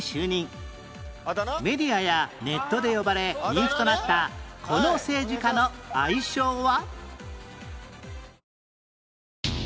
メディアやネットで呼ばれ人気となったこの政治家の愛称は？